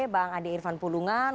bang adi irfan pulungan